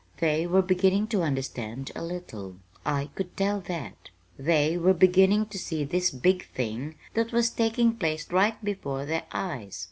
They were beginning to understand a little. I could tell that. They were beginning to see this big thing that was taking place right before their eyes.